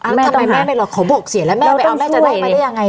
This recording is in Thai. ทำไมแม่ไม่รอขอบกเสียแล้วแม่ไปเอาแม่จะไล่มาได้ยังไง